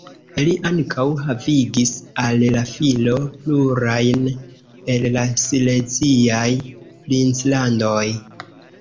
Li ankaŭ havigis al la filo plurajn el la sileziaj princlandoj.